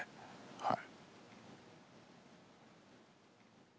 はい。